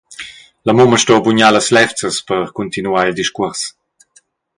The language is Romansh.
La mumma sto bugnar las levzas per cuntinuar il discuors.